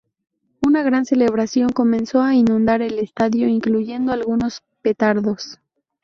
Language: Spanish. Una gran celebración comenzó a inundar el estadio, incluyendo algunos petardos.